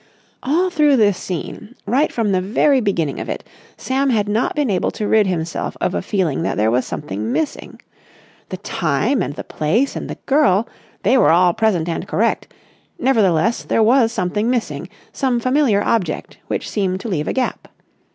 All through this scene, right from the very beginning of it, Sam had not been able to rid himself of a feeling that there was something missing. The time and the place and the girl—they were all present and correct; nevertheless there was something missing, some familiar object which seemed to leave a gap.